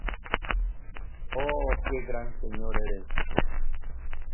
¡ oh, qué gran señor eres!